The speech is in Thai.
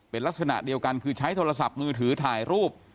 เป็นลักษณะเดียวกันคือใช้โทรศัพท์มือถือถ่ายรูป